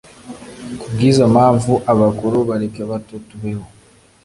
Kubwizo mpamvu abakuru bareke abato tubeho